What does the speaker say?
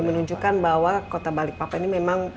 menunjukkan bahwa kota balikpapan ini memang